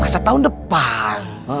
masa tahun depan